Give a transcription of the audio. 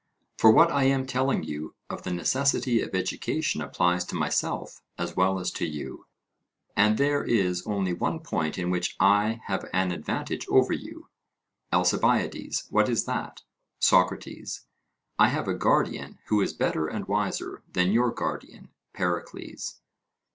For what I am telling you of the necessity of education applies to myself as well as to you; and there is only one point in which I have an advantage over you. ALCIBIADES: What is that? SOCRATES: I have a guardian who is better and wiser than your guardian, Pericles.